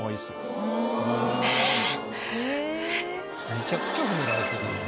めちゃくちゃ褒められてるやん。